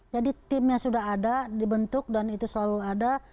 jadi timnya sudah ada dibentuk dan itu selalu ada